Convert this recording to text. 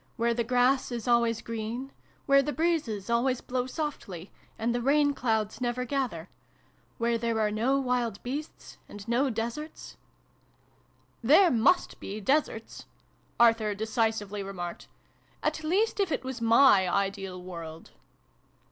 Where the grass is always green, where the breezes always blow softly, and the rain clouds never gather ; where there are no wild beasts, and no deserts " There must be deserts," Arthur decisively remarked. " At least if it was my ideal world."